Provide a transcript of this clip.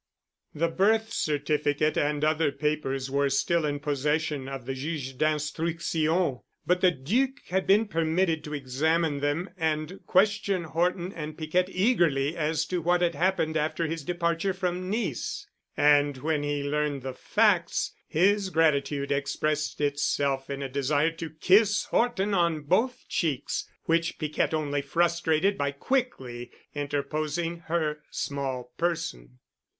The birth certificate and other papers were still in possession of the Juge d'Instruction, but the Duc had been permitted to examine them and questioned Horton and Piquette eagerly as to what had happened after his departure from Nice. And when he learned the facts, his gratitude expressed itself in a desire to kiss Horton on both cheeks, which Piquette only frustrated by quickly interposing her small person.